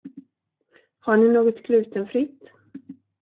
Har ni något glutenfritt?